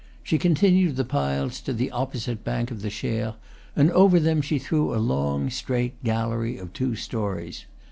She continued the piles to the op posite bank of the Cher, and over them she threw a long, straight gallery of two stories.